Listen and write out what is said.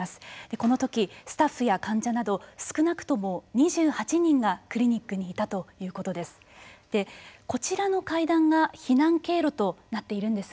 このとき、スタッフや患者など少なくとも２８人がクリニックにいたということです。